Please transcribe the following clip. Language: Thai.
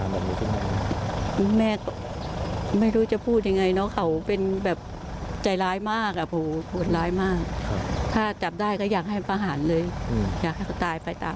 แล้วจุดนี้ก็เป็นจุดที่เกิดเหตุ